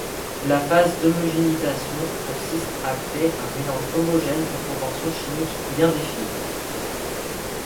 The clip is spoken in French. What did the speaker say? La phase d'homogénéisation consiste à créer un mélange homogène aux proportions chimiques bien définies.